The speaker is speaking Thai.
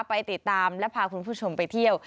ไปติดตามและพาคุณผู้ชมไปเที่ยว